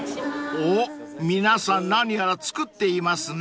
［おっ皆さん何やらつくっていますね］